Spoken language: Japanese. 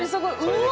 うわ！